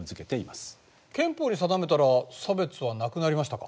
憲法に定めたら差別はなくなりましたか？